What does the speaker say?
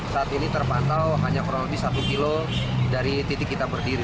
saat ini terpantau hanya kurang lebih satu kilo dari titik kita berdiri